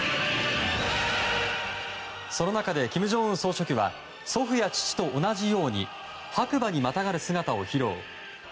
その中で金正恩総書記は祖父や父と同じように白馬にまたがる姿を披露。